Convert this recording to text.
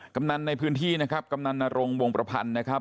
กำนันในพื้นที่นะครับกำนันนรงวงประพันธ์นะครับ